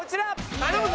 頼むぞ！